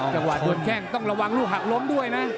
จังหวะโดนแข้งต้องระวังลูกหักล้มด้วยนะ